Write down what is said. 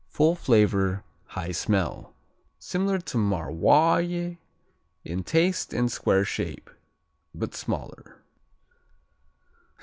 Full flavor, high smell. Similar to Maroilles in taste and square shape, but smaller.